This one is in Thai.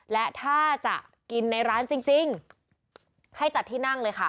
และถ้าจะกินในร้านจริงให้จัดที่นั่งเลยค่ะ